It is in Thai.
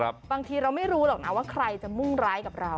บางทีเราไม่รู้หรอกนะว่าใครจะมุ่งร้ายกับเรา